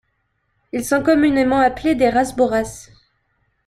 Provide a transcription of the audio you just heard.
Ils sont communément appelés des rasboras.